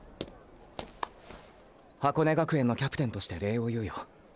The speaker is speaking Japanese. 箱根学園のキャプテンとして礼を言うよ。